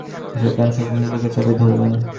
জগমোহন শচীশকে বুকে চাপিয়া ধরিলেন।